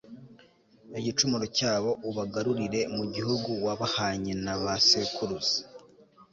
igicumuro cyabo, ubagarurire mu gihugu wabahanye na ba sekuruza